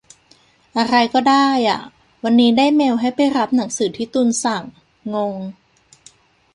อะไรก็ได้อ่ะ วันนี้ได้เมลให้ไปรับหนังสือที่ตุลสั่ง งง